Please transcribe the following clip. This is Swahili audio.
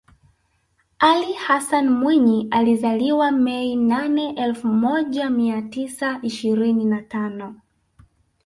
Ali Hassan Mwinyi alizaliwa Mei nane elfu moja mia tisa ishirini na tano